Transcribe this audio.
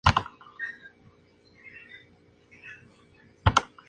Su nombre científico es en homenaje al activista ambiental brasileño Chico Mendes.